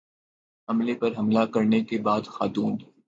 عملے پر حملہ کرنے کے بعد خاتون